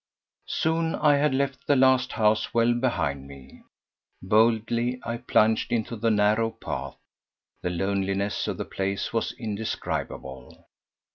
Soon I had left the last house well behind me. Boldly I plunged into the narrow path. The loneliness of the place was indescribable.